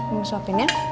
mau suapin ya